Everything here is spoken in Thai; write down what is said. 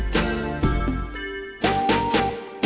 จะกลับมา